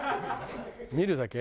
見るだけ？